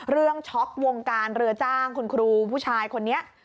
ช็อกวงการเรือจ้างคุณครูผู้ชายคนนี้